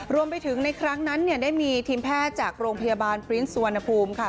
รวมไปถึงในครั้งนั้นเนี่ยได้มีทีมแพทย์จากโรงพยาบาลปริ้นสุวรรณภูมิค่ะ